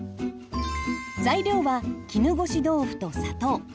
材料は絹ごし豆腐と砂糖。